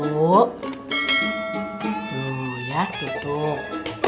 tuh ya tutup